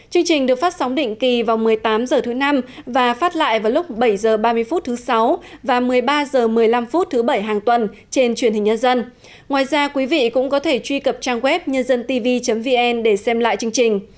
chương trình được phát sóng định kỳ vào một mươi tám h thứ năm và phát lại vào lúc bảy h ba mươi phút thứ sáu và một mươi ba h một mươi năm thứ bảy hàng tuần trên truyền hình nhân dân ngoài ra quý vị cũng có thể truy cập trang web nhândântv vn để xem lại chương trình